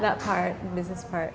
itu bagiannya bagian bisnis